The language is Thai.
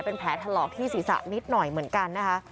เป็นแผลถลอกที่ศีรษะนิดหน่อยเหมือนกันนะคะ